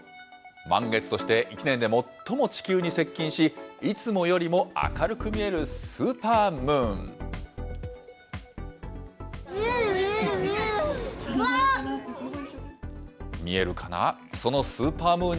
満月として１年で最も地球に接近し、いつもよりも明るく見えるスーパームーン。